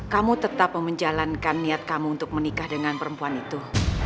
kamu tetap menjalankan niat kamu untuk menikah dengan perempuan itu